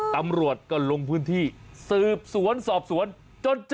ตำรวจก็ลงพื้นที่สืบสวนสอบสวนจนเจอ